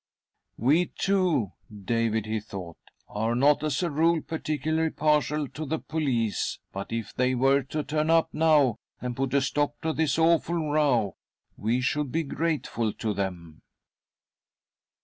" We two, David," he thought, " are not as a rule particularly partial to the police, but if they were to turn up now and put a stop to this awful row, we should be grateful to them."